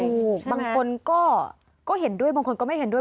บางคนก็เห็นด้วยบางคนก็ไม่เห็นด้วย